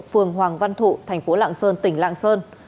phường hoàng văn thụ thành phố lạng sơn tỉnh lạng sơn